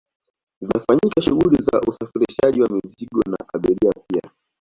zinafanyika shughuli za usafirishaji wa mizigo na abiria pia